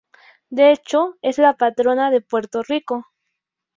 De hecho, es la patrona de Puerto Rico.